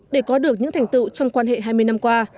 để có được những thành tựu trong quan hệ hai mươi năm qua